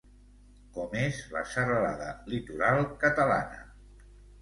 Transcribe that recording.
Com és la Serralada Litoral Catalana?